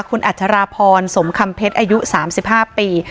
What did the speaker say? คุณอัจฉราพรสมคำเพชรอายุสามสิบห้าปี